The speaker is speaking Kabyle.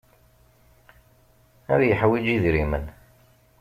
Ad yeḥwij idrimen.